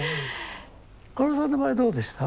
かおるさんの場合どうでした？